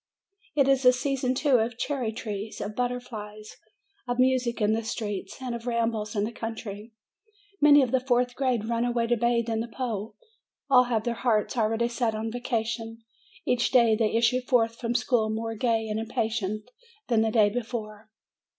It is the season, too, of cherry trees, of butterflies, of music in the streets, and of rambles in the country; many of the fourth grade run away to bathe in the Po; all have their hearts already set on the vacation; each day they issue forth from school more gay and impa tient than the day before.